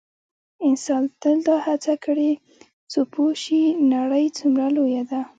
انسان تل دا هڅه کړې څو پوه شي نړۍ څومره لویه ده.